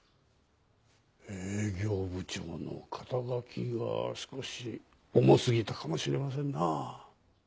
営業部長の肩書きが少し重すぎたかもしれませんな。